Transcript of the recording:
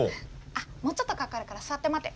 あっもうちょっとかかるから座って待ってて。